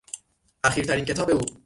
اخیرترین کتاب او